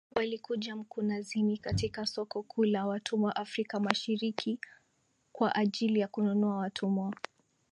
Walikuja mkunazini katika soko kuu la watumwa Afrika mashiriki kwaajili ya kununua watumwa